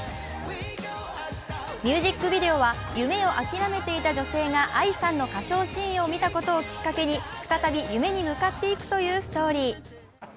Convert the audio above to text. ミュージックビデオは夢をあきらめていた女性がＡＩさんの歌唱シーンを見たことをきっかけに再び夢に向かっていくというストーリー。